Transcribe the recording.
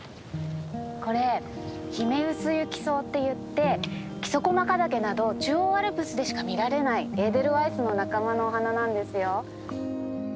これヒメウスユキソウっていって木曽駒ヶ岳など中央アルプスでしか見られないエーデルワイスの仲間のお花なんですよ。